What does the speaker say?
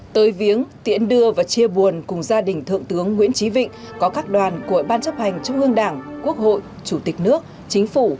tới viếng tiễn đưa và chia buồn cùng gia đình thượng tướng nguyễn trí vịnh có các đoàn của ban chấp hành trung ương đảng quốc hội chủ tịch nước chính phủ